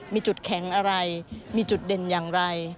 มีจุดแข็งอะไรมีจุดเด่นอย่างไร